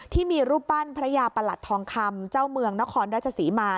ที่มีรูปปั้นพระยาประหลัดทองคำเจ้าเมืองนครราชศรีมา